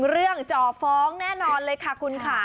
เรื่องจอฟรองก์แน่นอนเลยค่ะคุณค่ะ